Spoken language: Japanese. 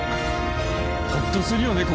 ほっとするよね